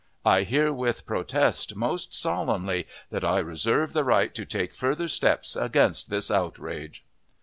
I herewith protest most solemnly that I reserve the right to take further steps against this outrage."